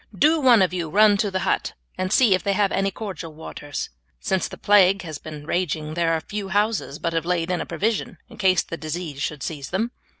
Do one of you run to the hut and see if they have any cordial waters; since the plague has been raging there are few houses but have laid in a provision in case the disease should seize them."